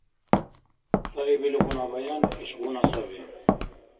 Цаибилгъуна баян ишгъуна саби.